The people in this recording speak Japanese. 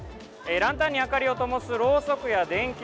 ランタンに明かりをともすろうそくや電球